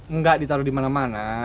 enggak ditaruh dimana mana